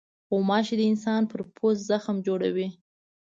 غوماشې د انسان پر پوست زخم جوړوي.